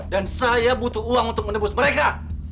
dan saya butuh uang untuk menebus mereka